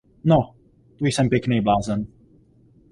No, to jsem pěknej blázen.